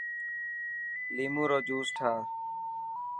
ليمون رو جوس ٺاهه.